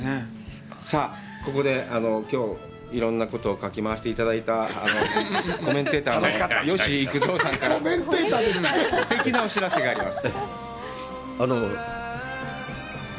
さあ、ここでいろんなことをかき回していただいたコメンテーターの吉幾三さんから、すてきなお知らせがあります。